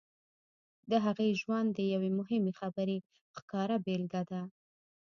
د هغې ژوند د یوې مهمې خبرې ښکاره بېلګه ده